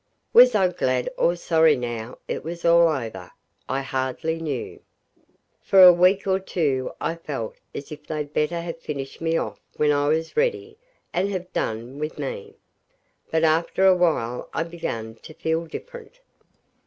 Was I glad or sorry now it was all over? I hardly knew. For a week or two I felt as if they'd better have finished me off when I was ready and ha' done with me, but after a while I began to feel different.